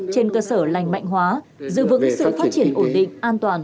trên cơ sở lành mạnh hóa giữ vững sự phát triển ổn định an toàn